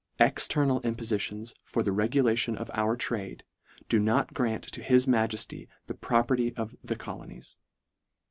" External impofitions for the regulation of our trade, do not grant to his Majefty the property of the colonies."